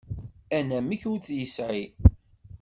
Anamek ur t-yesεi.